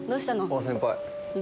あっ先輩。